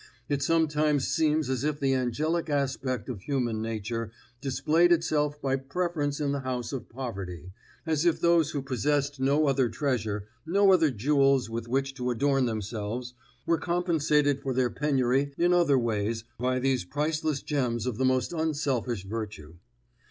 It sometimes seems as if the angelic aspect of human nature displayed itself by preference in the house of poverty, as if those who possessed no other treasure, no other jewels with which to adorn themselves, were compensated for their penury in other ways by these priceless gems of the most unselfish virtue.